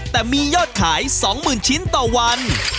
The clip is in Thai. แต่มียอดขายสองหมื่นชิ้นต่อวัน